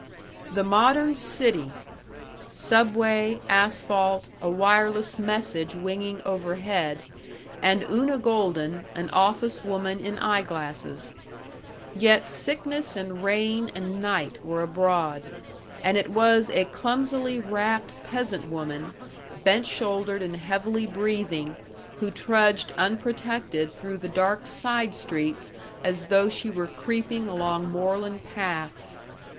The modern city! Subway, asphalt, a wireless message winging overhead, and Una Golden, an office woman in eye glasses. Yet sickness and rain and night were abroad; and it was a clumsily wrapped peasant woman, bent shouldered and heavily breathing, who trudged unprotected through the dark side streets as though she were creeping along moorland paths.